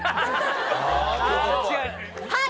はい！